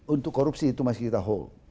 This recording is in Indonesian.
untuk korupsi itu masih kita hole